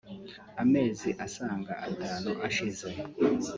Amezi asaga atanu arashize